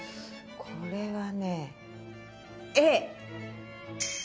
これはねＡ！